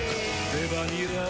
レバニラ